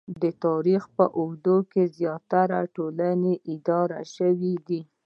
د تاریخ په اوږدو کې زیاتره ټولنې اداره شوې دي